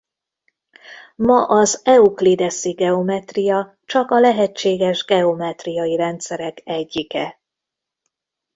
Ma az euklideszi geometria csak a lehetséges geometriai rendszerek egyike.